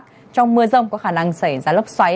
trong mưa rông có khả năng xảy ra lốc xoáy